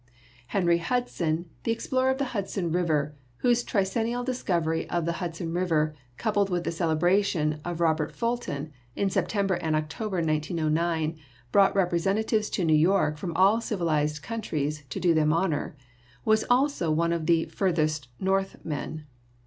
Henry Hudson, the explorer of the Hudson River, whose tricentennial discovery of the Hudson River, coupled with THE BEGINNINGS OF CARTOGRAPHY 31 the celebration of Robert Fulton, in September and Octo ber, 1909, brought representatives to New York from all civilized countries to do them honor, was also one of the 'Farthest North' men.